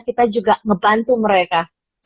kita juga ngebantu mereka